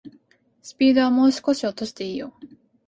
スピードはもう少し落としていいよ